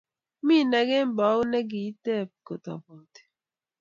mi nee kembout nii kiiteb kotobati